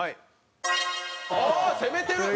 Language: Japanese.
ああー攻めてる！